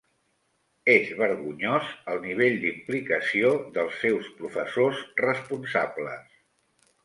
És vergonyós el nivell d'implicació dels seus professors responsables.